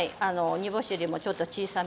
煮干しよりもちょっと小さめの。